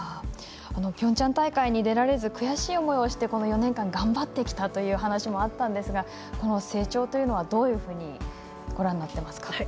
ピョンチャン大会に出られず、悔しい思いをしてこの４年間頑張ってきたという話もあったんですが、成長はどうご覧になっていますか？